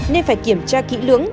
nên phải kiểm tra kỹ lưỡng